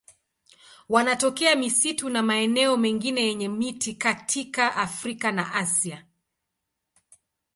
Wanatokea misitu na maeneo mengine yenye miti katika Afrika na Asia.